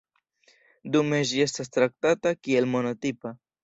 Dume ĝi estas traktata kiel monotipa.